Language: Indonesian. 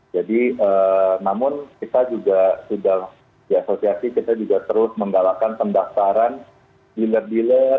jadi namun kita juga di asosiasi kita juga terus menggalakan pendaftaran dealer dealer